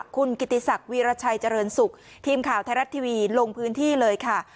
คุณกิติศักดิรชัยเจริญสุขทีมข่าวไทยรัฐทีวีลงพื้นที่เลยค่ะ